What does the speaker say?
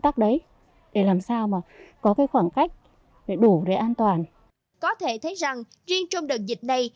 tác đấy để làm sao mà có cái khoảng cách đủ để an toàn có thể thấy rằng riêng trong đợt dịch này